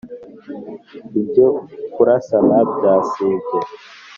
ibyo kurasana byasibye.